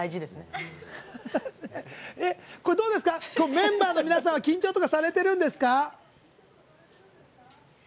メンバーの皆さんは緊張とかされてるんですか。